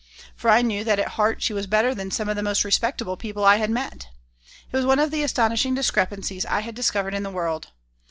For I knew that at heart she was better than some of the most respectable people I had met. It was one of the astonishing discrepancies I had discovered in the world.